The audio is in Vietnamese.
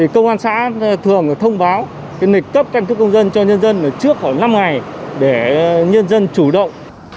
công an xã thường thông báo lịch cấp căn cước công dân cho nhân dân trước khoảng năm ngày để nhân dân chủ động